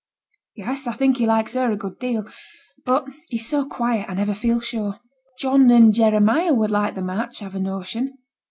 'Yes, I think he likes her a good deal; but he's so quiet, I never feel sure. John and Jeremiah would like the match, I've a notion.'